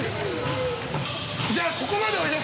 じゃあここまでおいで。